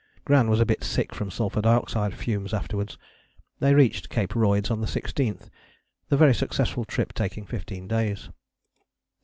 Gran was a bit sick from sulphur dioxide fumes afterwards. They reached Cape Royds on the 16th, the very successful trip taking fifteen days.